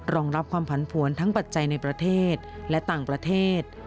รองรับความผันผวนทั้งปัจจัยในประเทศและต่างประเทศ